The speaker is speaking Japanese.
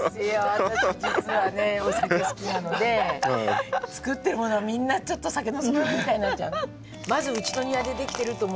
私実はねお酒好きなので作ってるものはみんなちょっと酒のつまみみたいになっちゃう。